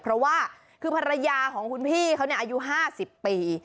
เพราะว่าคือภรรยาของคุณพี่เขาอายุ๕๐ปี